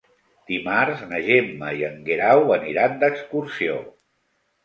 Dimarts na Gemma i en Guerau aniran d'excursió.